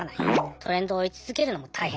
トレンドを追い続けるのも大変。